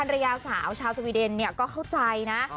ภรรยาสาวชาวสวีเดนเนี่ยก็เข้าใจนะ